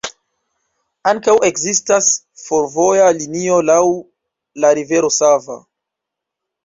Ankaŭ ekzistas fervoja linio laŭ la rivero Sava.